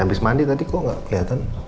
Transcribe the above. habis mandi tadi kok nggak kelihatan